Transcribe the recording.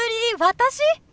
私？